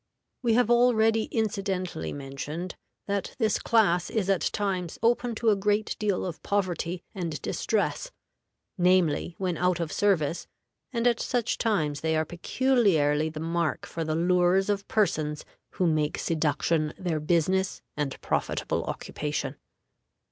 We have already incidentally mentioned that this class is at times open to a great deal of poverty and distress, namely, when out of service, and at such times they are peculiarly the mark for the lures of persons who make seduction their business and profitable occupation.